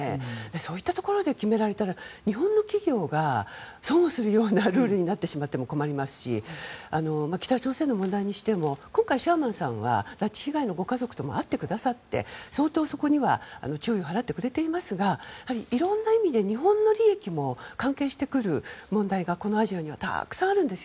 そういったところで決められたら日本の企業が損をするようなルールになってしまっても困りますし北朝鮮の問題にしても今回、シャーマンさんは拉致被害のご家族とも会ってくださって相当そこには注意を払ってくれていますがいろんな意味で日本の利益も関係してくる問題がこのアジアにはたくさんあるんです。